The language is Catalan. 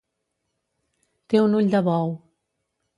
Té un ull de bou.